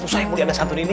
susah ya muli ada satu ini